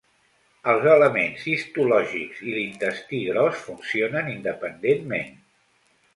Els elements histològics i l'intestí gros funcionen independentment.